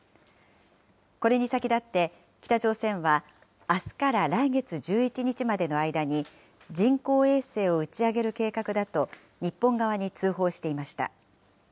これに先立って北朝鮮はあすから来月１１日までの間に、人工衛星を打ち上げる計画だと、日本側に通報していました。